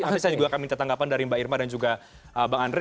nanti saya juga akan minta tanggapan dari mbak irma dan juga bang andre